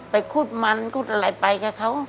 คุดมันคุดอะไรไปกับเขา